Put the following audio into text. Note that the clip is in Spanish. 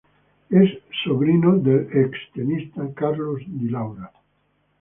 Es sobrino del ex-tenista Carlos Di Laura.